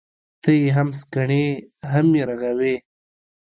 ته يې هم سکڼې ، هم يې رغوې.